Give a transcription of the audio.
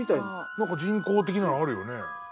何か人工的なのあるよね。